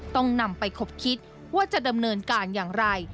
ต้องนำไปคบคิดว่าจะดำเนินการอย่างไร